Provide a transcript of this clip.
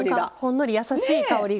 ほんのりやさしい香りが。